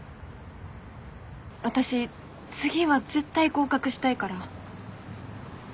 私次は絶対合格したいから。